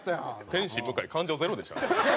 天津向感情ゼロでしたね。